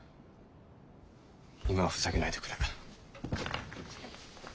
今はふざけないでくれ。